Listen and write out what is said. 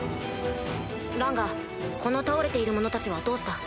ランガこの倒れている者たちはどうした？